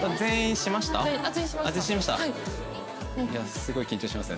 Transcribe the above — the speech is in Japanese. すごい緊張しますね